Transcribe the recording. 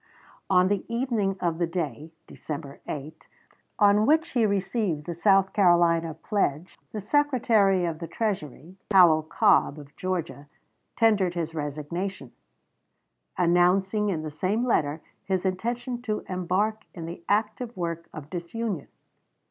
On the evening of the day (December 8) on which he received the South Carolina pledge, the Secretary of the Treasury, Howell Cobb, of Georgia, tendered his resignation, announcing in the same letter his intention to embark in the active work of disunion.